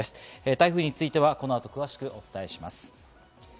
台風についてはこの後、詳しくお伝えします。